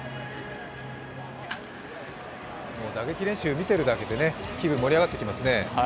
もう打撃練習見てるだけで気分が盛り上がってきますね。